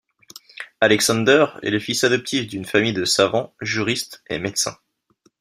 Alexander est le fils adoptif d'une famille de savants, juristes et médecins.